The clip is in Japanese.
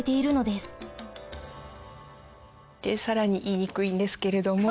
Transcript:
で更に言いにくいんですけれども。